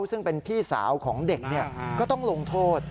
ซึ่งเป็นพี่สาวของเด็กก็ต้องลงโทษ